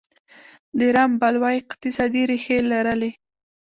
د رام بلوا اقتصادي ریښې لرلې.